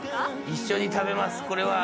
一緒に食べますこれは。